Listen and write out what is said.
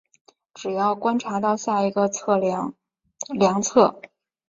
只要观察到下一个量测。